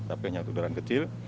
tapi hanya untuk kendaraan kecil